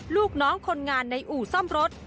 ลูกน้องคนงานในอู่ซ่อมรถ